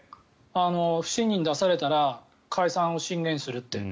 不信任出されたら解散を進言するって。